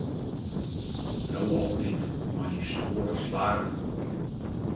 Do altyd mei dyn snoade slaggen.